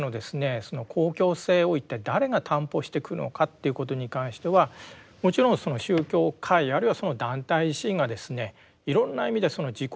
その公共性を一体誰が担保していくのかということに関してはもちろんその宗教界あるいはその団体自身がですねいろんな意味で自己批判的にですね